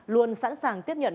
luôn sẵn sàng tiếp nhận